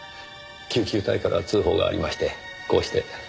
救急隊から通報がありましてこうして駆けつけました。